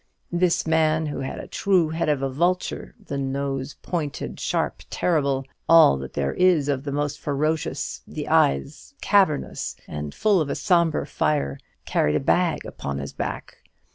'This man who had a true head of vulture, the nose pointed, sharp, terrible; all that there is of the most ferocious; the eyes cavernous, and full of a sombre fire carried a bag upon his back.